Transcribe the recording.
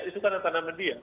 itu kan yang sama dia